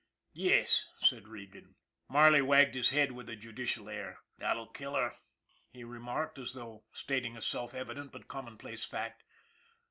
" Yes," said Regan. Marley wagged his head with a judicial air. " That'll kill her," he remarked, as though stating a self evident, but commonplace, fact.